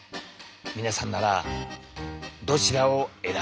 皆さんならどちらを選ぶかな？